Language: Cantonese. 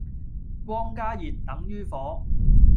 光加熱,等於火